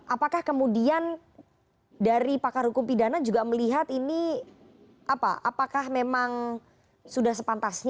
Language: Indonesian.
apakah kemudian dari pakar hukum pidana juga melihat ini apakah memang sudah sepantasnya